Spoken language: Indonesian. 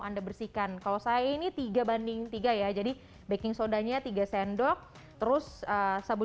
anda bersihkan kalau saya ini tiga banding tiga ya jadi baking sodanya tiga sendok terus sabun